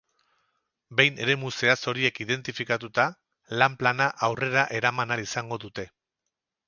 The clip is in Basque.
Behin eremu zehatz horiek identifikatuta, lan-plana aurrera eraman ahal izango dute.